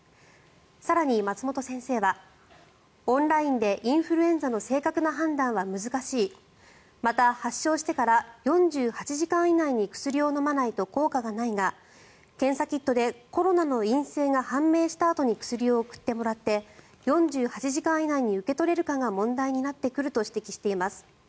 更に、松本先生はオンラインでインフルエンザの正確な判断は難しいまた、発症してから４８時間以内に薬を飲まないと効果がないが検査キットでコロナの陰性が判明したあとに薬を送ってもらって４８時間以内に受け取れるかが問題になってくると指摘しています。